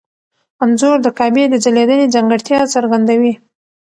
انځور د کعبې د ځلېدنې ځانګړتیا څرګندوي.